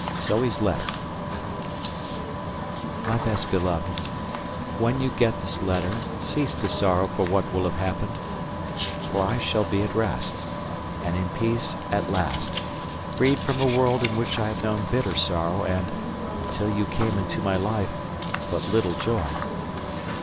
ZOE'S LETTER MY BEST BELOVED, When you get this letter cease to sorrow for what will have happened, for I shall be at rest, and in peace at last, freed from a world in which I have known bitter sorrow and, until you came into my life, but little joy.